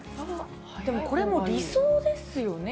これも理想ですよね。